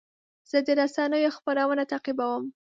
زه د رسنیو خبرونه تعقیبوم.